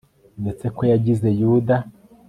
ndetse ko yagize yuda